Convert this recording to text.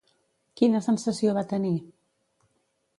Quina sensació va tenir?